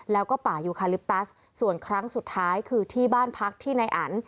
แล้วก็ป่ายูคาลิปตัสส่วนครั้งสุดท้ายคือที่บ้านพักที่นายอัน